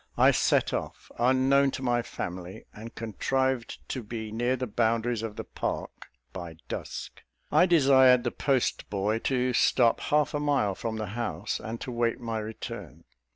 I set off unknown to my family; and contrived to be near the boundaries of the park by dusk. I desired the postboy to stop half a mile from the house, and to wait my return.